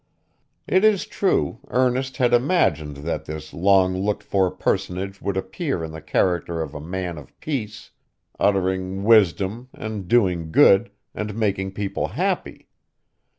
It is true, Ernest had imagined that this long looked for personage would appear in the character of a man of peace, uttering wisdom, and doing good, and making people happy.